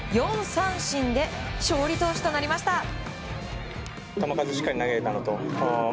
４三振で勝利投手となりました。